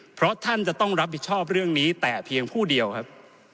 เพราะท่านจะต้องรับผิดชอบเรื่องนี้แต่เพียงผู้เดียวครับ